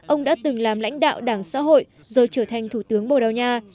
ông đã từng làm lãnh đạo đảng xã hội rồi trở thành thủ tướng bồ đào nha